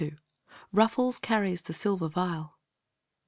RUFFLES CARRIES THE SILVER VIAL.